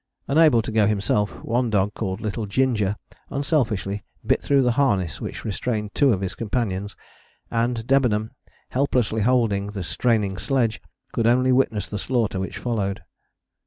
Unable to go himself, one dog called Little Ginger unselfishly bit through the harness which restrained two of his companions, and Debenham, helplessly holding the straining sledge, could only witness the slaughter, which followed.